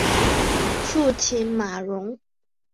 父亲马荣。